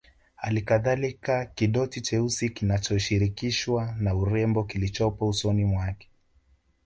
Halikadhalika kidoti cheusi kinachoshirikishwa na urembo kilichopo usoni mwake